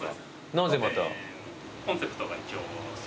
なぜまた？